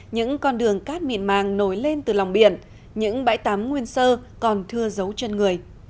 những con đường cát mịn màng nổi lên từ lòng biển những bãi tắm nguyên sơ còn thưa dấu chân người